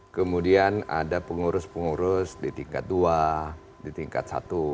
kemudian ada pengurus pengurus di tingkat dua di tingkat satu